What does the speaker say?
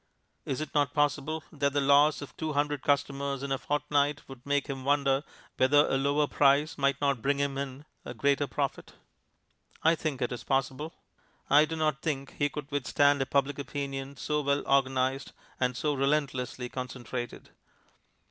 Is it not possible that the loss of two hundred customers in a fortnight would make him wonder whether a lower price might not bring him in a greater profit? I think it is possible. I do not think he could withstand a Public Opinion so well organized and so relentlessly concentrated.